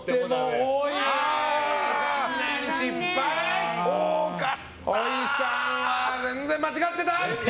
ほいさんは全然間違ってた！